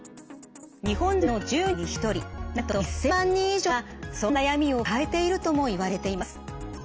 日本人の１０人に１人なんと１，０００万人以上がそんな悩みを抱えているともいわれています。